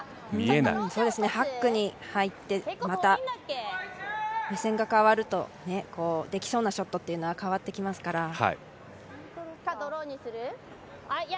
ハックに入って、また目線が変わるとできそうなショットというのは変わってきますから。